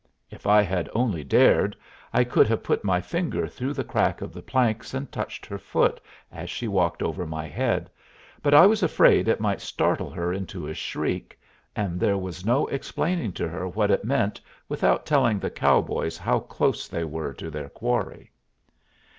If I had only dared, I could have put my finger through the crack of the planks and touched her foot as she walked over my head, but I was afraid it might startle her into a shriek, and there was no explaining to her what it meant without telling the cowboys how close they were to their quarry.